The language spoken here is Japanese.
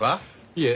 いえ。